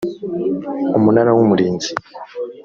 umunara w’umurinzi